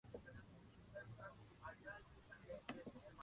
Con su esposo llegó a vivir en una casa que bautizó San Lázaro.